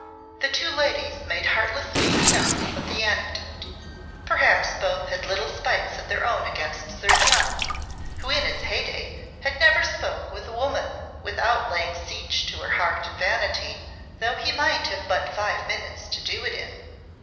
The two ladies made heartless game enough of the anecdote. Perhaps both had little spites of their own against Sir John, who in his heyday had never spoke with a woman without laying siege to her heart and vanity, though he might have but five minutes to do it in.